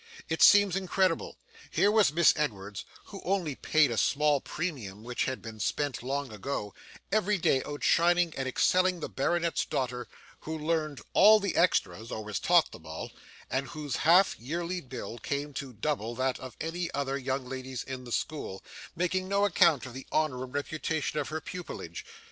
It seems incredible. Here was Miss Edwards, who only paid a small premium which had been spent long ago, every day outshining and excelling the baronet's daughter, who learned all the extras (or was taught them all) and whose half yearly bill came to double that of any other young lady's in the school, making no account of the honour and reputation of her pupilage.